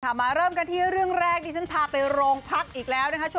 มาเริ่มกันที่เรื่องแรกดิฉันพาไปโรงพักอีกแล้วนะคะ